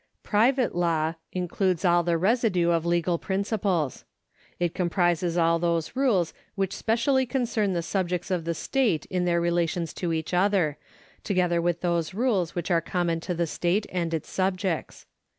Private law includes all the residue of legal principles. It comprises all those rules which specially concern the subjects of the state in their relations to each other, together with those riiles which are common to the state and its subjects.